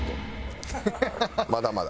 まだまだ。